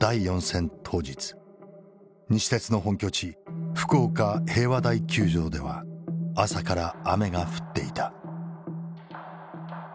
西鉄の本拠地福岡平和台球場では朝から雨が降っていた。